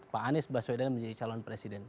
pak anies baswedan menjadi calon presiden